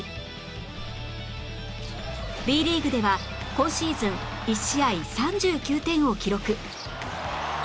Ｂ リーグでは今シーズン１試合３９点を記録